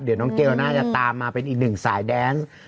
เดี๋ยวน่าจะตามมาเป็นอีกหนึ่งสายแดง